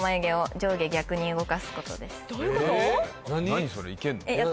何それいけるの？